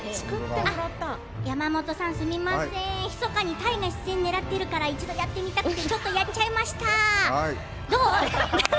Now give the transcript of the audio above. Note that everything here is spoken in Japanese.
山本さん、すみませんひそかに大河出演をねらっているからやってみたくてやっちゃいました。